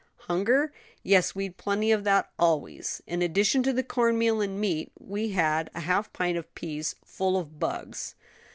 "Hunger?" "Yes; we'd plenty of that always. In addition to the corn meal and meat, we had a half pint of peas full of bugs."